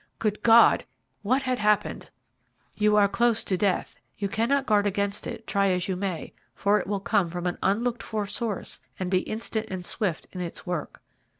Good God! what had happened? "You are close to death. You cannot guard against it, try as you may, for it will come from an unlooked for source, and be instant and swift in its work."